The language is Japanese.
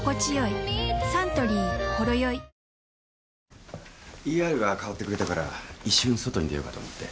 サントリー「ほろよい」ＥＲが代わってくれたから一瞬外に出ようかと思って。